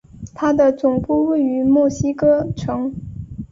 它的总部位于墨西哥城。